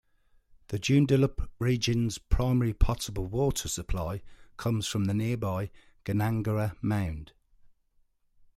The Joondalup region's primary potable water supply comes from the nearby Gnangara Mound.